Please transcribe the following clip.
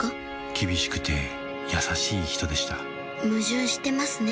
厳しくて優しい人でした矛盾してますね